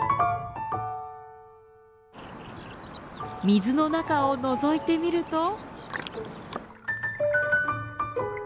水の中をのぞいてみると。